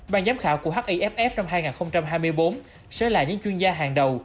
ban giám khảo của hiff năm hai nghìn hai mươi bốn sẽ là những chuyên gia hàng đầu